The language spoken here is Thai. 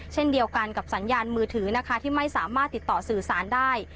เช่นเดียวกันกับสัญญาณมือถือนะคะที่ไม่สามารถติดต่อสื่อสารได้